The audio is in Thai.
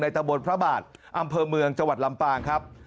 ในตะโบนพระบาทอำเพลิงจวัดลำปางครับ